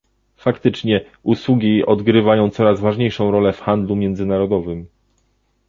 Faktycznie, usługi odgrywają coraz ważniejszą rolę w handlu międzynarodowym